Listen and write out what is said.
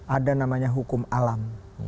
ada namanya hukum alam